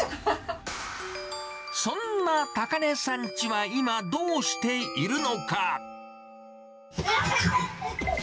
そんな高根さんチは今、どうしているのか。